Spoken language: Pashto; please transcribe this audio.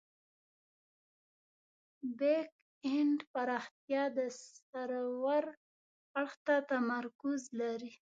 بیک اینډ پراختیا د سرور اړخ ته تمرکز لري.